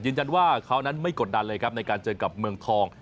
ยืนยันว่าเขานั้นไม่กดดันเลยครับในการเจอกับเมืองทอง